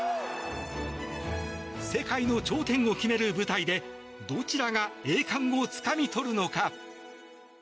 世界の頂点を決める舞台でどちらが栄冠をつかみ取るのか？